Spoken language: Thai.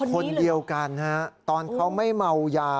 คนเดียวกันฮะตอนเขาไม่เมายา